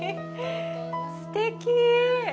すてき。